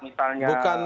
misalnya pak ahok memilih